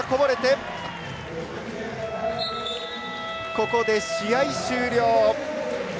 ここで試合終了。